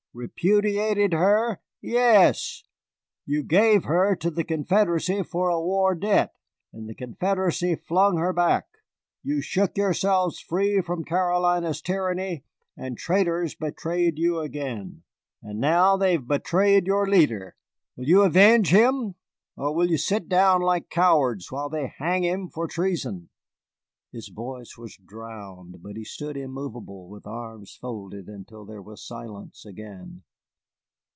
Repudiated her? Yes. You gave her to the Confederacy for a war debt, and the Confederacy flung her back. You shook yourselves free from Carolina's tyranny, and traitors betrayed you again. And now they have betrayed your leader. Will you avenge him, or will you sit down like cowards while they hang him for treason?" His voice was drowned, but he stood immovable with arms folded until there was silence again.